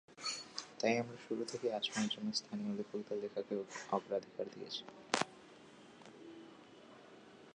তাই আমরা শুরু থেকেই আশ্রমের জন্যে স্থানীয় লেখকদের লেখাকে অগ্রাধিকার দিয়েছি।